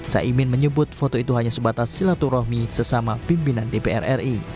caimin menyebut foto itu hanya sebatas silaturahmi sesama pimpinan dpr ri